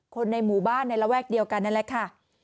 คนในหมู่บ้านในระแวกเดียวกันนั่นแหละค่ะ